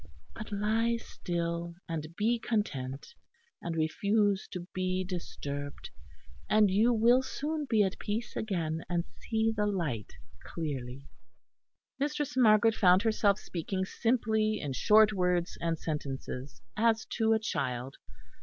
But lie still and be content; and refuse to be disturbed; and you will soon be at peace again and see the light clearly." Mistress Margaret found herself speaking simply in short words and sentences as to a child.